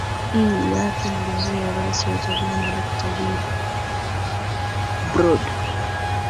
i yake mgombea urais wa chadema dokta wilprod